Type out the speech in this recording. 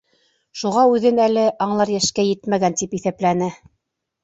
Шуға үҙен әле аңлар йәшкә етмәгән тип иҫәпләне.